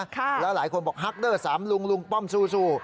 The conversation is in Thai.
แล้วหลายคนบอกฮักเดอร์๓ลุงลุงป้อมสู้